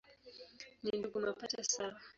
Ni ndugu mapacha sawa.